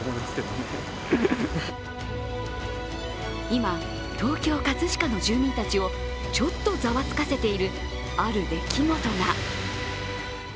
今、東京・葛飾の住民たちを、ちょっとざわつかせているある出来事が。